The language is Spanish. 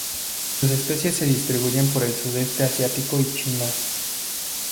Sus especies se distribuyen por el Sudeste Asiático y China.